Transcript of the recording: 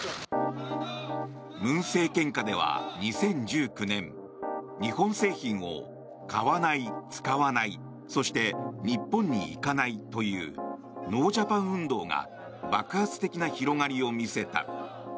文政権下では２０１９年日本製品を買わない、使わないそして日本に行かないというノージャパン運動が爆発的な広がりを見せた。